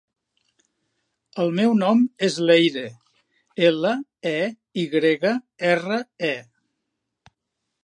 El meu nom és Leyre: ela, e, i grega, erra, e.